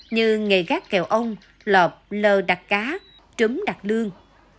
như nghề gắt kiểu ong lọp lờ đặt cá trấm đặt lương